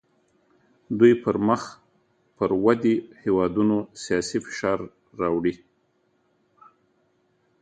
دوی په مخ پر ودې هیوادونو سیاسي فشار راوړي